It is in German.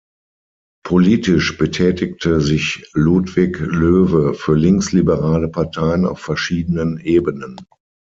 Politisch betätigte sich Ludwig Loewe für linksliberale Parteien auf verschiedenen Ebenen.